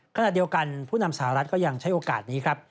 ขณะเดียวกันผู้นำสหรัฐก็ยังใช้โอกาสนี้ครับ